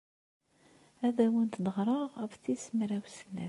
Ad awent-d-ɣreɣ ɣef tis mraw snat.